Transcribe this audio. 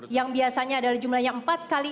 yang biasanya adalah jumlahnya empat kali